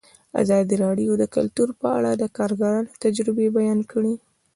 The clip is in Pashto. ازادي راډیو د کلتور په اړه د کارګرانو تجربې بیان کړي.